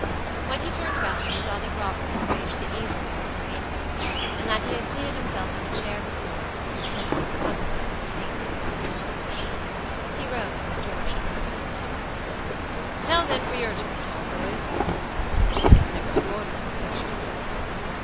When he turned round he saw that Robert had arranged the easel very conveniently, and that he had seated himself on a chair before it for the purpose of contemplating the painting at his leisure. He rose as George turned round. "Now, then, for your turn, Talboys," he said. "It's an extraordinary picture."